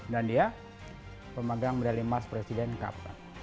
dan dia pemagang medali mars presiden kap